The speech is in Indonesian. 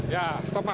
ya makasih ya pak